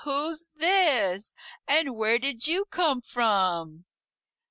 who's this? and where did you come from?"